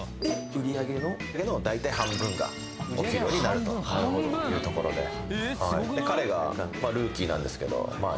売上の大体半分がお給料になるとなるほどというところで彼がルーキーなんですけどまあ